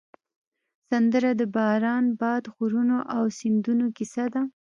سندره د باران، باد، غرونو او سیندونو کیسه ده